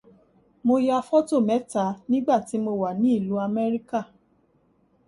Mo ya fọ́tò mẹ́ta nígbà tí mo wà ní ìlú Amẹ́ríkà